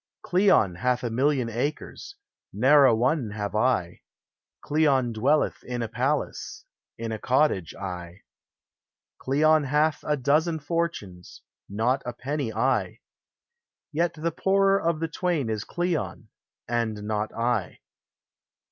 Cleon hath a million acres, ne'er a one have I ; Cleon dwelleth in a palace, in a cottage I ; Cleon hath a dozen fortunes, not a penny I ; Yet the poorer of the twain is Cleon, and not I.